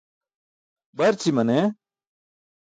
Barći mane.